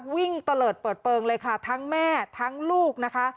ตะเลิศเปิดเปลืองเลยค่ะทั้งแม่ทั้งลูกนะคะ